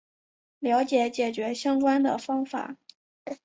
了解解决相关的方法